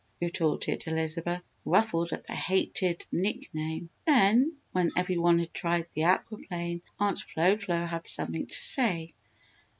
retorted Elizabeth, ruffled at the hated nick name. Then, when every one had tried the aqua plane Aunt Flo Flo had something to say.